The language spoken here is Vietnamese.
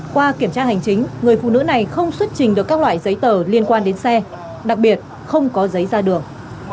qua kiểm tra hành chính người phụ nữ này không xuất trình được các loại giấy tờ liên quan đến xe đặc biệt không có giấy ra đường